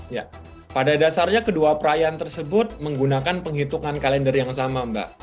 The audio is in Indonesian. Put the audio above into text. ya pada dasarnya kedua perayaan tersebut menggunakan penghitungan kalender yang sama mbak